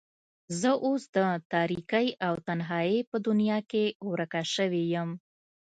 زه اوس د تاريکۍ او تنهايۍ په دنيا کې ورکه شوې يم.